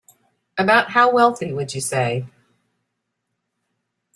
About how wealthy would you say?